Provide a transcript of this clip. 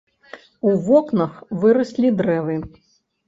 У вокнах выраслі дрэвы.